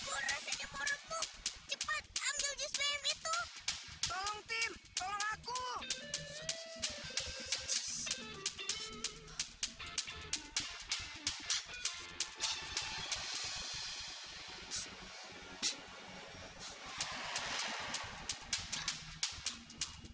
badanku rasanya merepuk cepat ambil juice vm itu